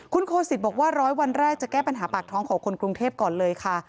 คุณโคสิตบอกว่าร้อยวันแรกจะแก้ปัญหาปากท้องของคนกรุงเทพก่อนเลยค่ะ